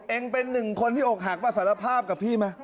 เองเป็นหนึ่งคนที่อกหักมาสารภาพกับพี่ไหม